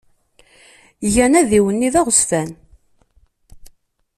Gan adiwenni d aɣezfan.